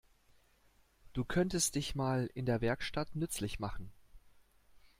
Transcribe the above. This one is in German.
Du könntest dich mal in der Werkstatt nützlich machen.